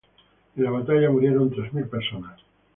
En la batalla murieron tres mil personas.